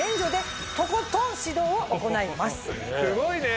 すごいね！